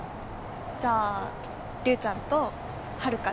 じゃあ「リュウちゃん」と「はるか」で。